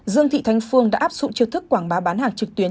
dương thị thanh phương đã áp dụng chiêu thức quảng bá bán hàng trực tuyến